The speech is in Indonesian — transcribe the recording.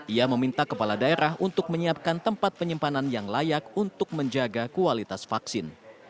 ia meminta kepala daerah untuk menyiapkan tempat penyimpanan yang layak untuk menjaga kualitas vaksin